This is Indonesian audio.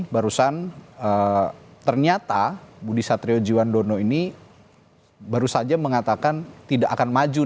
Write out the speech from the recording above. barusan ternyata budi satriojiwandono ini baru saja mengatakan tidak akan maju